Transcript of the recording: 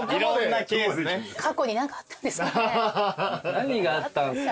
何があったんすか？